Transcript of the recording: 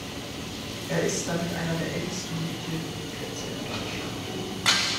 Er ist damit einer der ältesten Militärflugplätze in Deutschland.